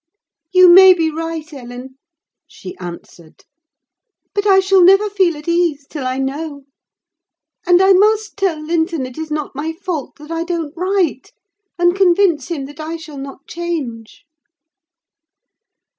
"You may be right, Ellen," she answered; "but I shall never feel at ease till I know. And I must tell Linton it is not my fault that I don't write, and convince him that I shall not change."